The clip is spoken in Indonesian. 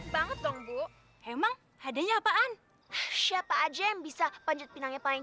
banget dong bu emang adanya apaan siapa aja yang bisa panjat pinangnya paling